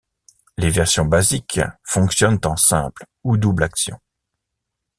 Les versions basiques fonctionnent en simple ou double action.